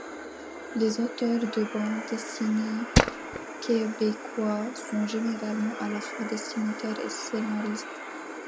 Les auteurs de bande dessinée québécois sont généralement à la fois dessinateur et scénariste.